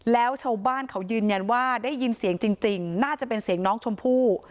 แล้วชาวบ้านเขายืนยันว่าได้ยินเสียงจริงน่าจะเป็นเสียงน้องชมพู่